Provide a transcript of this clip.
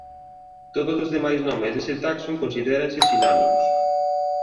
Todos os demais nomes dese taxon considéranse sinónimos.